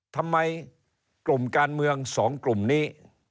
ทำไมกลุ่มการเมือง๒กลุ่มนี้